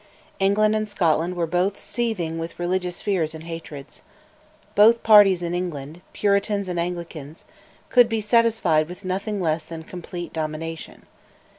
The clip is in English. England and Scotland were both seething with religious fears and hatreds. Both parties in England, Puritans and Anglicans, could be satisfied with nothing less than complete domination.